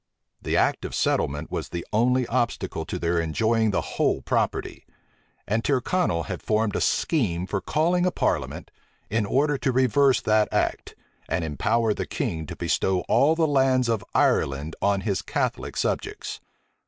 The act of settlement was the only obstacle to their enjoying the whole property; and Tyrconnel had formed a scheme for calling a parliament, in order to reverse that act, and empower the king to bestow all the lands of Ireland on his Catholic subjects.